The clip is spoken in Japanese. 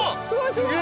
すごい！